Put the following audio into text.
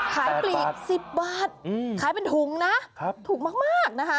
แปดบาทสิบบาทอืมขายเป็นถุงนะครับถูกมากมากนะคะ